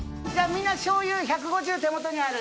みんな醤油１５０手元にある？